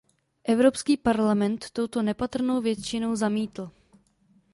Evropský parlament toto nepatrnou většinou zamítl.